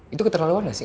itu keterlaluan gak sih